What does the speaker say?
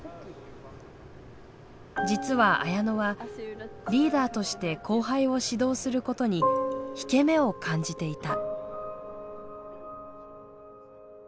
実は綾乃はリーダーとして後輩を指導することに「引け目」を感じていた。